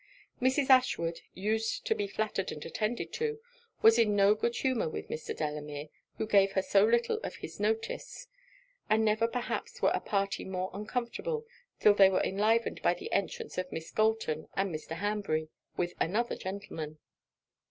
Mrs. Ashwood, used to be flattered and attended to, was in no good humour with Mr. Delamere, who gave her so little of his notice: and never perhaps were a party more uncomfortable, 'till they were enlivened by the entrance of Miss Galton and Mr. Hanbury, with another gentleman.